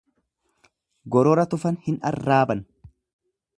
Gorora tufan hin arraaban.